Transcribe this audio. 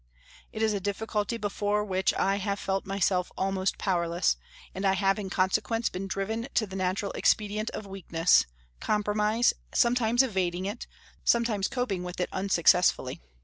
It is a difficulty before which I have felt myself almost powerless, and I have in consequence been driven to the natural expedient of weakness, compromise, sometimes evading it, sometimes coping with it unsuccessfully.